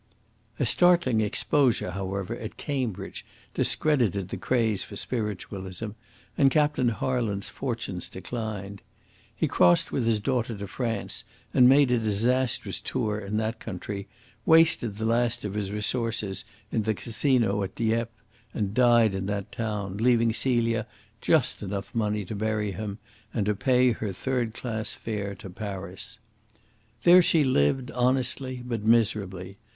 A startling exposure, however, at Cambridge discredited the craze for spiritualism, and Captain Harland's fortunes declined. He crossed with his daughter to France and made a disastrous tour in that country, wasted the last of his resources in the Casino at Dieppe, and died in that town, leaving Celia just enough money to bury him and to pay her third class fare to Paris. There she lived honestly but miserably.